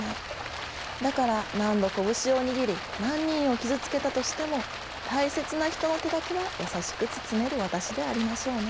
だから何度拳を握り何人を傷つけたとしても大切な人の手だけは優しく包める私でありましょうね。